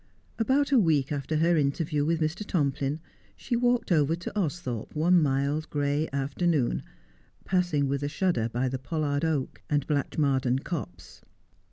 About a week after her interview with Mr. Tomplin, she walked over to Austhorpe one mild gray afternoon, passing with a shudder by the pollard oak, and Blatchmardean copse.